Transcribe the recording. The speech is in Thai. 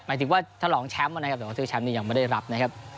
หมายถึงว่าทรลองแชมป์อันนี้แต่ถ้วยแชมป์นั้นยังไม่ได้รับนะครับ